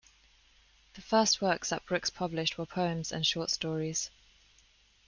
The first works that Brooks published were poems and short stories.